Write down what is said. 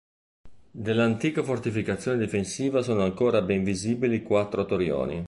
Dell'antica fortificazione difensiva sono ancora ben visibili quattro torrioni.